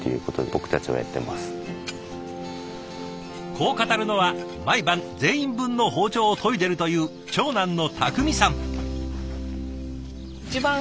こう語るのは毎晩全員分の包丁を研いでるという長男の匠さん。